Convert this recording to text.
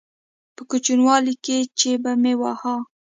په کوچنيوالي کښې چې به مې واهه.